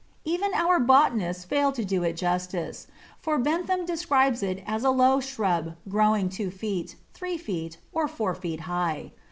Even our botanists fail to do it justice, for Bentham describes it as a low shrub growing two feet, three feet, or four feet high.